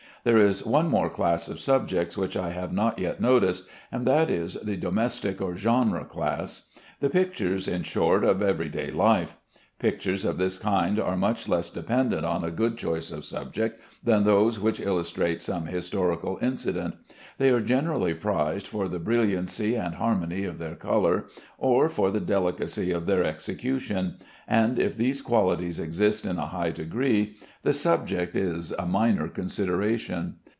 There is one more class of subjects which I have not yet noticed, and that is the domestic or "genre" class; the pictures, in short, of every day life. Pictures of this kind are much less dependent on a good choice of subject than those which illustrate some historical incident. They are generally prized for the brilliancy and harmony of their color, or for the delicacy of their execution; and if these qualities exist in a high degree, the subject is a minor consideration.